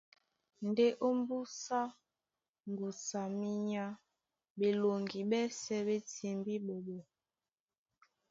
Ndé ómbúsá ŋgusu a minyá ɓeloŋgi ɓɛ́sɛ̄ ɓé timbí ɓɔɓɔ.